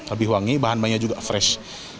lebih wangi bahan bahannya juga fresh